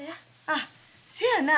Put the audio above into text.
あっせやな。